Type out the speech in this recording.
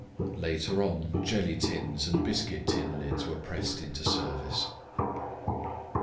Later on, jelly tins and biscuit tin lids were pressed into service.